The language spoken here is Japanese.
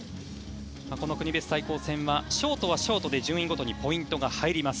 この国別対抗戦はショートはショートで順位ごとにポイントが入ります。